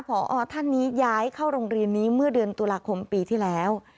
พอท่านนี้ย้ายเข้าโรงเรียนนี้เมื่อเดือนตุลาคมปีที่แล้ว